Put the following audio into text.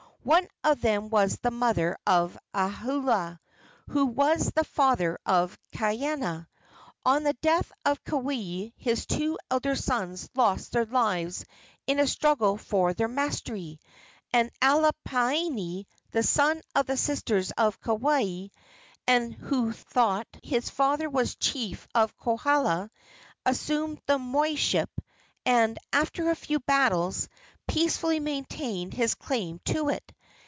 One of them was the mother of Ahaula, who was the father of Kaiana. On the death of Keawe his two elder sons lost their lives in a struggle for the mastery, and Alapainui, the son of the sister of Keawe, and who through his father was chief of Kohala, assumed the moiship, and, after a few battles, peacefully maintained his claim to it.